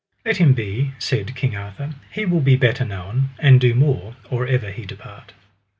Let him be, said King Arthur, he will be better known, and do more, or ever he depart.